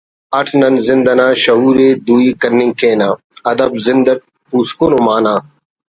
اٹ نن زند انا شعور ءِ دوئی کننگ کینہ ادب زند اٹ پوسکن ءُ معنہ